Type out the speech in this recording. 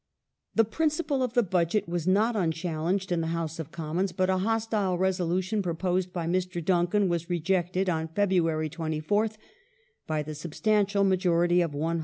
The principle of the Budget was not unchallenged in the House of Commons, but a hostile resolution proposed by Mr. Duncan was rejected on February 24th by the substantial majority of 116.